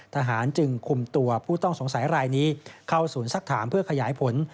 ทหารจึงคุมตัวผู้ต้องสงสัยรายนี้เข้าศูนย์สักถามเพื่อขยายผล